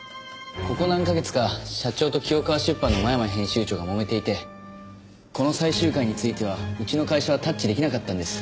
ここ何カ月か社長と清河出版の真山編集長がもめていてこの最終回についてはうちの会社はタッチ出来なかったんです。